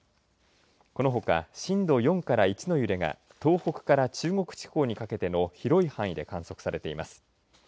このほか震度４から１の揺れが東北から中国地方にかけての広い範囲で観測されています。